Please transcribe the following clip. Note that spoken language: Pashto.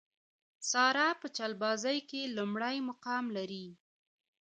ساره په چلبازۍ کې لومړی مقام لري.